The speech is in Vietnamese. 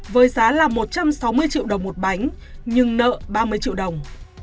với giá là một trăm sáu mươi triệu đồng một bánh nhưng nợ ba mươi triệu đồng